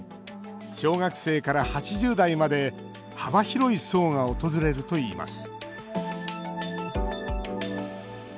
小学生から８０代まで幅広い層が訪れるといいます